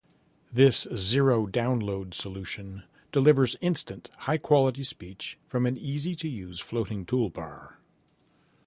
This 'zero download' solution delivers instant high quality speech from an easy-to-use, floating toolbar.